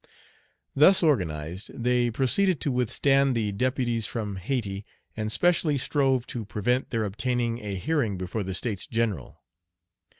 Thus organized, they proceeded to withstand the deputies from Hayti, and specially strove to prevent their obtaining a hearing before the States General.